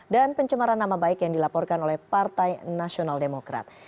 dan pencemaran nama baik yang dilaporkan oleh partai nasional demokrat